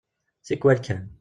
Tikwal kan.